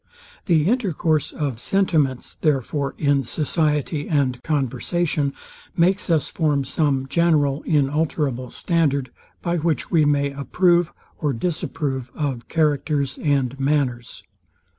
The intercourse of sentiments, therefore, in society and conversation, makes us form some general inalterable standard, by which we may approve or disapprove of characters and manners.